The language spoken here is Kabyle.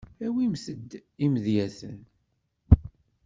Awimt-d imedyaten.